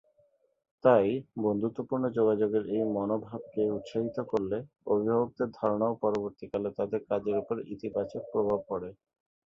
তাই, বন্ধুত্বপূর্ণ যোগাযোগের এই মনোভাবকে উৎসাহিত করলে অভিভাবকদের ধারণা ও পরবর্তীকালে তাদের কাজের ওপর ইতিবাচক প্রভাব পড়ে।